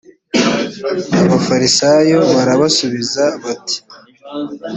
abafarisayo barabasubiza bati